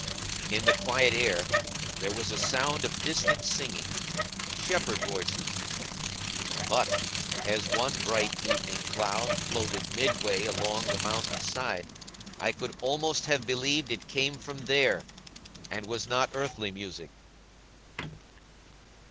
In the quiet air, there was a sound of distant singing shepherd voices; but, as one bright evening cloud floated midway along the mountain's side, I could almost have believed it came from there, and was not earthly music.